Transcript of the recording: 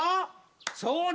そうだ。